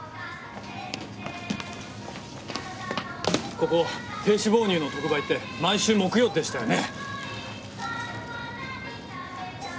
ここ低脂肪乳の特売って毎週木曜でしたよね？